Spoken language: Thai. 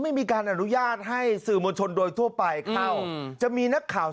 ไม่มีการอนุญาตให้สื่อมวลชนโดยทั่วไปเข้าจะมีนักข่าว